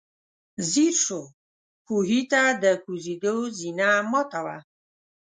ځير شو، کوهي ته د کوزېدو زينه ماته وه.